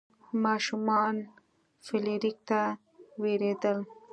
ماشومان فلیریک ته ویرېدل.